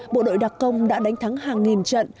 bộ đội đặc công đã đánh thắng hàng nghìn trận